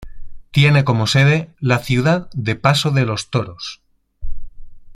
Tiene como sede la ciudad de Paso de los Toros.